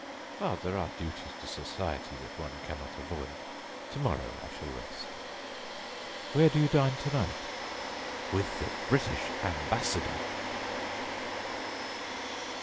"Ah! there are duties to society that one cannot avoid. To morrow, I shall rest." "Where do you dine to night?" "With the British Ambassador!"